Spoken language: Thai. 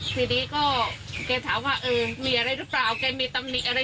แต่เขาก็จะมีกรอบรูปโอ้นแสวนไปขึ้นไป